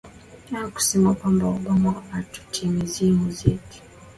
aah kusema kwamba obama atutimizie muziki